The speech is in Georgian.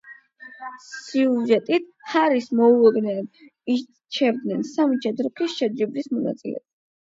სიუჟეტით, ჰარის მოულოდნელად ირჩევენ სამი ჯადოქრის შეჯიბრის მონაწილედ.